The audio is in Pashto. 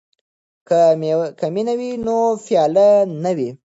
که مینه وي نو پیاله نه وي.